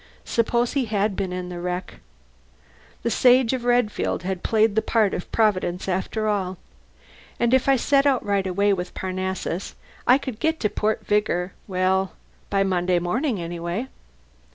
Suppose he had been in the wreck? The Sage of Redfield had played the part of Providence after all. And if I set out right away with Parnassus, I could get to Port Vigor well, by Monday morning anyway.